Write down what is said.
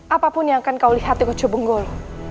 apapun yang akan kau lihat di kocobonggolo